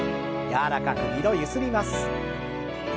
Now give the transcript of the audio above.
柔らかく２度ゆすります。